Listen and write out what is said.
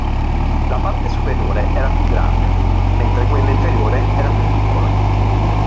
La parte superiore era più grande, mentre quella inferiore era più piccola.